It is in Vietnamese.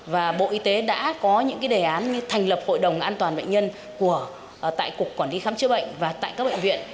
và bộ y tế đã có những đề án như thành lập hội đồng an toàn bệnh nhân tại cục quản lý khám chữa bệnh và tại các bệnh viện